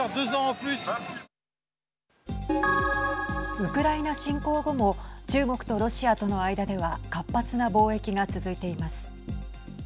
ウクライナ侵攻後も中国とロシアとの間では活発な貿易が続いています。